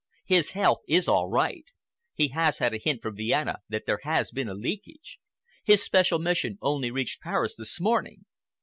His health is all right. He has had a hint from Vienna that there has been a leakage. His special mission only reached Paris this morning.